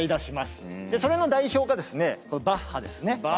それの代表がですねバッハですね。